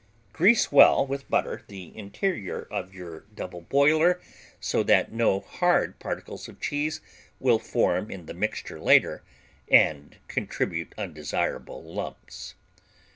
Grease well with butter the interior of your double boiler so that no hard particles of cheese will form in the mixture later and contribute undesirable lumps.